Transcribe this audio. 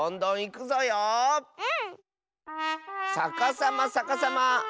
さかさまさかさま。